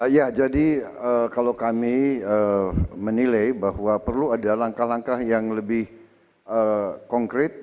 ya jadi kalau kami menilai bahwa perlu ada langkah langkah yang lebih konkret